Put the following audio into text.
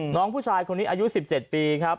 น้องผู้ชายคนนี้อายุ๑๗ปีครับ